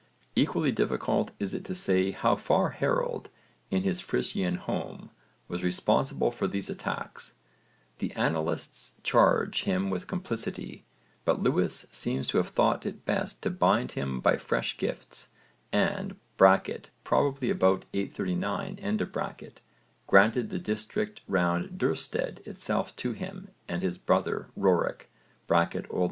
Equally difficult is it to say how far Harold in his Frisian home was responsible for these attacks. The annalists charge him with complicity, but Lewis seems to have thought it best to bind him by fresh gifts and (probably about 839) granted the district around Duurstede itself to him and his brother Roric (O.N.